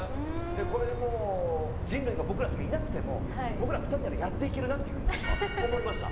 これもう人類が僕らしかいなくても僕ら２人ならやっていけるなっていうふうに思いました。